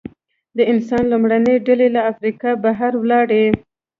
د انسان لومړنۍ ډلې له افریقا بهر ولاړې.